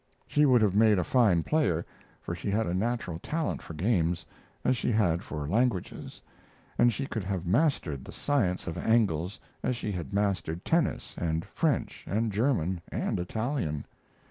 She would have made a fine player, for she had a natural talent for games, as she had for languages, and she could have mastered the science of angles as she had mastered tennis and French and German and Italian.